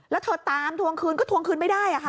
แล้วเธอตามทวงคืนก็ทวงคืนไม่ได้ค่ะ